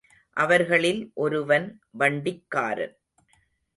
அவர்களில் ஒருவன் வண்டிக்காரன்.